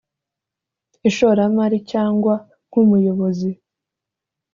Ishoramari cyangwa nk umuyobozi